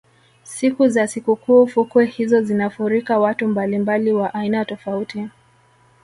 siku za sikukuu fukwe hizo zinafurika watu mbalimbali wa aina tofauti